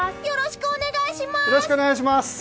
よろしくお願いします！